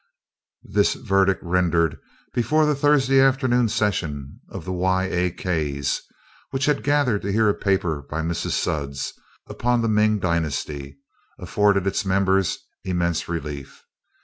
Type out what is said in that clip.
This verdict rendered before the Thursday afternoon session of the Y. A. K.'s, which had gathered to hear a paper by Mrs. Sudds upon the Ming Dynasty, afforded its members immense relief.